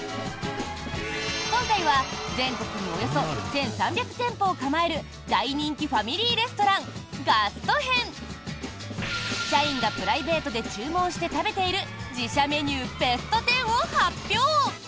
今回は、全国におよそ１３００店舗を構える大人気ファミリーレストランガスト編！社員がプライベートで注文して食べている自社メニューベスト１０を発表！